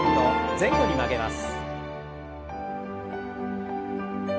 前後に曲げます。